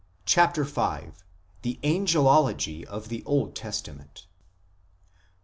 CHAPTER V THE ANGELOLOGY OF THE OLD TESTAMENT I.